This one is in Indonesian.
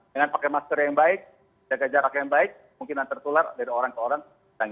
dengan pakai masker yang baik jaga jarak yang baik mungkin yang tertular dari orang ke orang